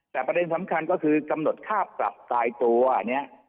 แต่ประเด็นสำคัญก็คือกำหนดค่าปรับตายตัวอันนี้